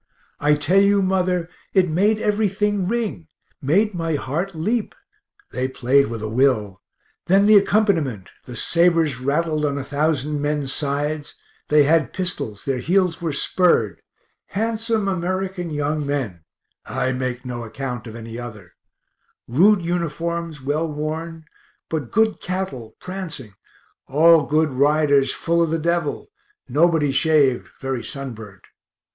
I tell you, mother, it made everything ring made my heart leap. They played with a will. Then the accompaniment: the sabers rattled on a thousand men's sides they had pistols, their heels were spurred handsome American young men (I make no acc't of any other); rude uniforms, well worn, but good cattle, prancing all good riders, full of the devil; nobody shaved, very sunburnt.